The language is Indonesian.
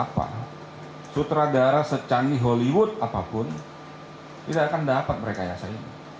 apa sutradara secanggih hollywood apapun tidak akan dapat merekayasa ini